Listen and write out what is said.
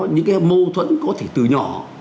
những cái mâu thuẫn có thể từ nhỏ